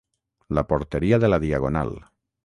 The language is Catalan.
La porteria de la Diagonal.